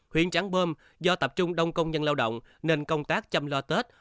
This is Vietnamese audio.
huyện trắng bơm do tập trung đông công nhân lao động nên công tác chăm lo tết